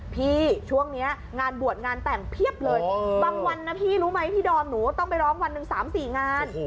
พี่ช่วงนี้งานบวชงานแต่งเพียบเลยบางวันนะพี่รู้ไหมพี่ดอมหนูต้องไปร้องวันหนึ่ง๓๔งาน